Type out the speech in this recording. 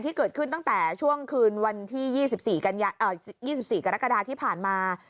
ที่เกิดขึ้นตั้งแต่ช่วงคืนวันที่๒๔กรกฎาที่ผ่านมา